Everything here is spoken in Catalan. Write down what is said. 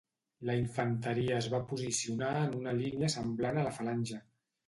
La infanteria es va posicionar en una línia semblant a la falange.